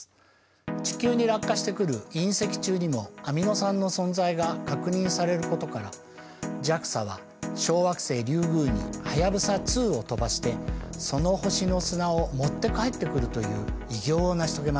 地球に落下してくる隕石中にもアミノ酸の存在が確認されることからＪＡＸＡは小惑星リュウグウに「ハヤブサ２」を飛ばしてその星の砂を持って帰ってくるという偉業を成し遂げました。